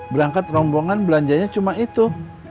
berangkat rombongan belanjanya cuma itu